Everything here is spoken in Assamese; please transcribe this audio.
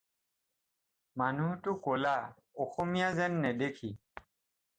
মানুহটো ক'লা, অসমীয়া যেন নেদেখি।